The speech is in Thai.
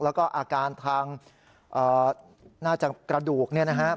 แล้วก็อาการทางกระดูก